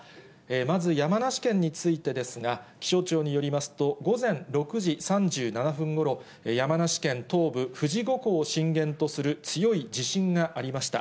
まず山梨県についてですが、気象庁によりますと、午前６時３７分ごろ、山梨県東部、富士五湖を震源とする強い地震がありました。